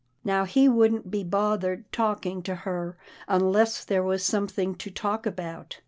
Now he wouldn't be bothered talk ing to her unless there was something to talk about.